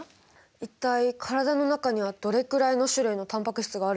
一体体の中にはどれくらいの種類のタンパク質があるんですか？